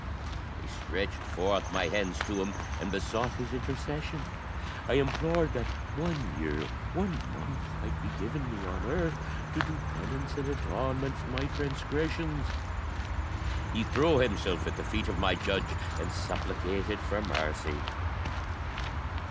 I stretched forth my hands to him, and besought his intercession. I implored that one year, one month, might be given to me on earth to do penance and atonement for my transgressions. He threw himself at the feet of my Judge, and supplicated for mercy.